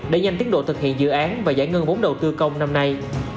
để nhanh tiến độ thực hiện dự án và giải ngân vốn đầu tư công năm nay